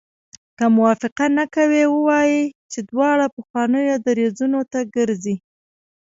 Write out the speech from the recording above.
که موافقه نه کوي ووایي چې دواړه پخوانیو دریځونو ته ګرځي.